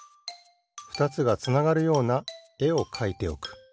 ふたつがつながるようなえをかいておく。